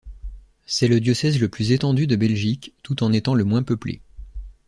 C'est le diocèse le plus étendu de Belgique, tout en étant le moins peuplé.